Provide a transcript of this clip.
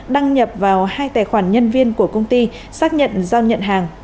đăng nhập vào hai tài khoản nhân viên của công ty xác nhận giao nhận hàng